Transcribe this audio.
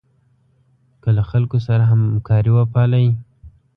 له خلکو سره همکاري وپالئ.